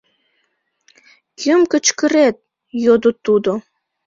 — Кӧм кычкырет? — йодо тудо.